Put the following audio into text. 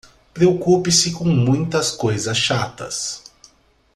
Preocupe-se com muitas coisas chatas